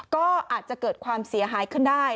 ก็อาจจะเกิดความเสียหายขึ้นได้